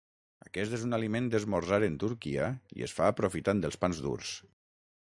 Aquest és un aliment d'esmorzar en Turquia i es fa aprofitant els pans durs.